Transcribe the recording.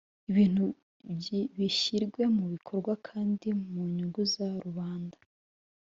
ibintu bishyirwe mu bikorwa kandi mu nyungu za rubanda